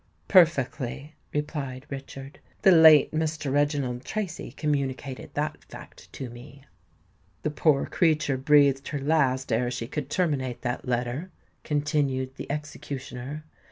"Perfectly," replied Richard. "The late Mr. Reginald Tracy communicated that fact to me." "The poor creature breathed her last ere she could terminate that letter," continued the executioner.